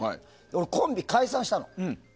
俺、コンビ解散したの。